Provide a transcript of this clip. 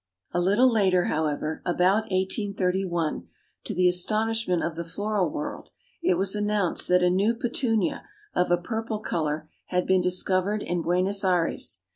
A little later, however, about 1831, to the astonishment of the floral world, it was announced that a new Petunia, of a purple color, had been discovered in Buenos Ayres.